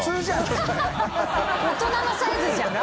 大人のサイズじゃん。